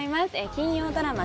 金曜ドラマ